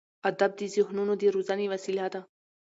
ادب د ذهنونو د روزنې وسیله ده.